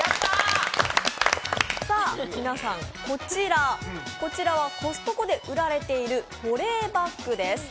皆さん、こちらはコストコで売られている保冷バッグです。